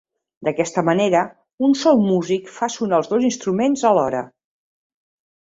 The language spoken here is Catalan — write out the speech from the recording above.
D'aquesta manera un sol músic fa sonar els dos instruments alhora.